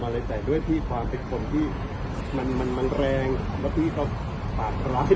มันเลยแต่ด้วยที่ความผิดผมที่มันมันมันแรงแล้วพี่เขาผ่านร้าย